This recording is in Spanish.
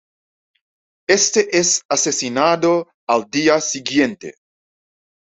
Este es asesinado al día siguiente.